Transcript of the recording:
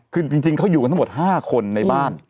คือจริงเขาอยู่กันทั้งหมด๕คนในบ้าน